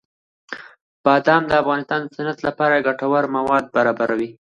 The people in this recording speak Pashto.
بادام د افغانستان د صنعت لپاره ګټور مواد برابروي.